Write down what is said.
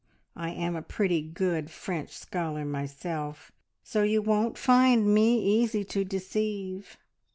I am a pretty good French scholar myself, so you won't find me easy to deceive!"